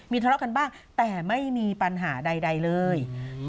ทะเลาะกันบ้างแต่ไม่มีปัญหาใดเลย